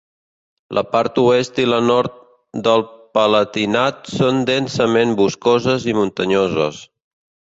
La part oest i la nord del Palatinat són densament boscoses i muntanyoses.